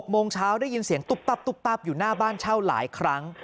โมงเช้าได้ยินเสียงตุ๊บตับตุ๊บตับอยู่หน้าบ้านเช่าหลายครั้ง